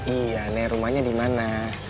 iya naik rumahnya di mana